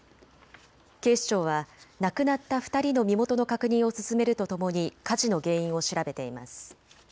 警視庁は亡くなった２人の身元の確認を進めるとともに火事の原因を調べています。